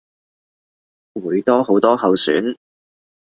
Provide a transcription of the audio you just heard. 會多好多候選